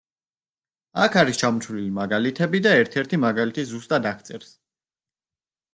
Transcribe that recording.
აქ არის ჩამოთვლილი მაგალითები და ერთ-ერთი მაგალითი ზუსტად აღწერს.